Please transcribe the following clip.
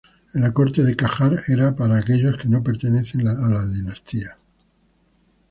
En la corte de Qajar era para aquellos que no pertenecen a la dinastía.